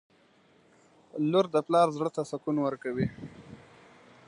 • لور د پلار زړه ته سکون ورکوي.